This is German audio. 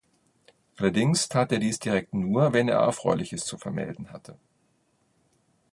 Allerdings tat er dies direkt nur, wenn er Erfreuliches zu vermelden hatte.